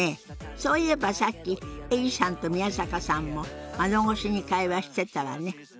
そういえばさっきエリさんと宮坂さんも窓越しに会話してたわね。